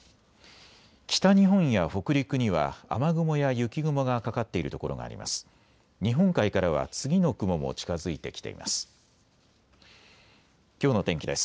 北日本や北陸には雨雲や雪雲がかかっている所があります。